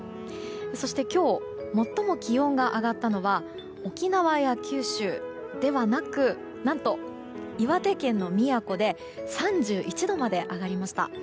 そして、今日最も気温が上がったのが沖縄や九州ではなく何と岩手県の宮古で３１度まで上がりました。